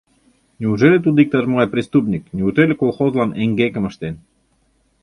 Неужели тудо иктаж-могай преступник, неужели колхозлан эҥгекым ыштен?